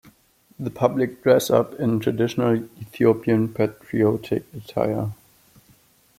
The public dress up in traditional Ethiopian patriotic attire.